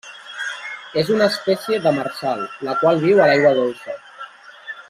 És una espècie demersal, la qual viu a l'aigua dolça.